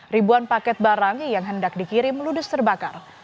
ribuan paket barang yang hendak dikirim ludes terbakar